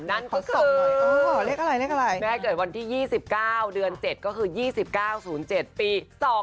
นั่นก็คือแม่เกิดวันที่๒๙เดือน๗ก็คือ๒๙๐๗ปี๒๕๑๓